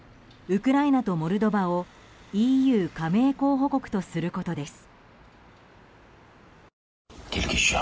ウクライナとモルドバをＥＵ加盟候補国とすることです。